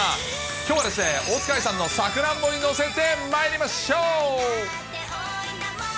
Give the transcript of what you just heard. きょうはですね、大塚愛さんのさくらんぼにのせてまいりましょう。